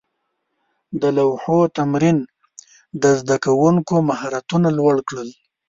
د لوحو تمرین د زده کوونکو مهارتونه لوړ کړل.